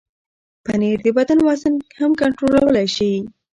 پنېر د بدن وزن هم کنټرولولی شي.